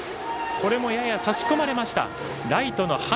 これもやや差し込まれました。